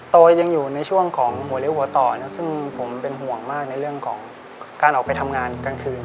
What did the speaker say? โตยังอยู่ในช่วงของหัวเลี้ยหัวต่อซึ่งผมเป็นห่วงมากในเรื่องของการออกไปทำงานกลางคืน